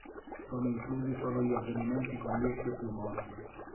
Sono inclusi solo gli avvenimenti con dieci o più morti.